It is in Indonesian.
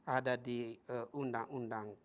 ada di undang undang